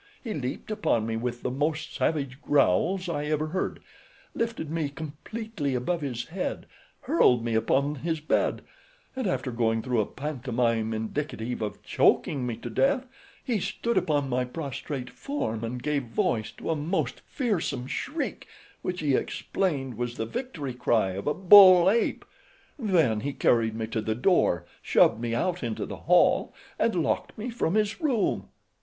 He leaped upon me with the most savage growls I ever heard, lifted me completely above his head, hurled me upon his bed, and after going through a pantomime indicative of choking me to death he stood upon my prostrate form and gave voice to a most fearsome shriek, which he explained was the victory cry of a bull ape. Then he carried me to the door, shoved me out into the hall and locked me from his room."